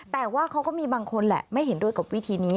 แต่ว่าเขาก็มีบางคนแหละไม่เห็นด้วยกับวิธีนี้